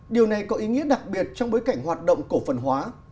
điều này có ý nghĩa đặc biệt trong bối cảnh hoạt động cổ phần hóa